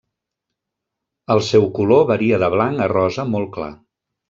El seu color varia de blanc a rosa molt clar.